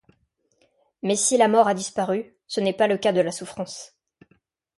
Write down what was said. Mais, si la mort a disparu, ce n'est pas le cas de la souffrance.